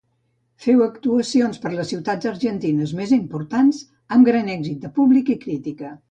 Féu actuacions per les ciutats argentines més importants, amb gran èxit de públic i crítica.